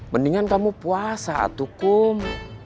mendingan kamu puasa atukum